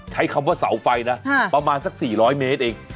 ใช้คำว่าเสาไฟนะประมาณสัก๔๐๐เมตรเอง